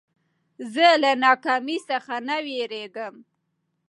زه له ناکامۍ څخه نه بېرېږم.